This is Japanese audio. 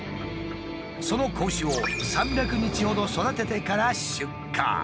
その子牛を３００日ほど育ててから出荷。